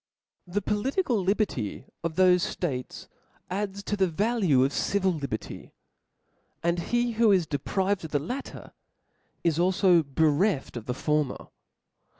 The political liberty of thofe ftates adds to the value of civil liberty ; and he who is deprived of the latter, is alfo bereft of the former.